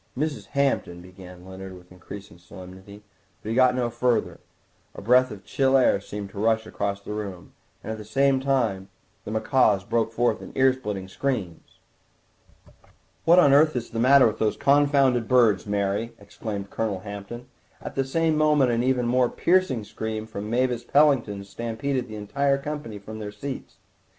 "Mrs. Hampton—" began Leonard with increased solemnity, but he got no further. A breath of chill air seemed to rush across the room, and at the same time the macaws broke forth into ear splitting screams. "What on earth is the matter with those confounded birds, Mary?" exclaimed Colonel Hampton; at the same moment an even more piercing scream from Mavis Pellington stampeded the entire company from their seats.